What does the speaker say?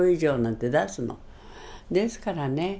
ですからね